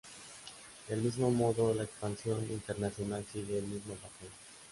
Del mismo modo, la expansión internacional sigue el mismo patrón.